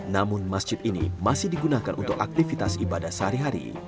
namun masjid ini masih digunakan untuk aktivitas ibadah sehari hari